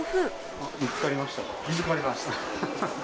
あっ見つかりましたか？